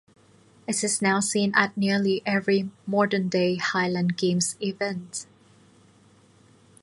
It is now seen at nearly every modern-day Highland games event.